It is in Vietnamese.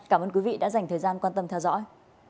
cảm ơn quý vị đã dành thời gian quan tâm theo dõi